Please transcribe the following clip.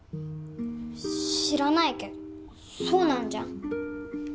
知らないけどそうなんじゃん？